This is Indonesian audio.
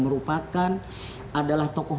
merupakan adalah tokoh